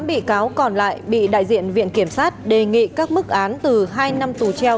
tám bị cáo còn lại bị đại diện viện kiểm sát đề nghị các mức án từ hai năm tù treo